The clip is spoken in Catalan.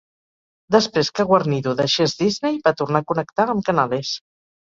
Després que Guarnido deixés Disney, va tornar a connectar amb Canales.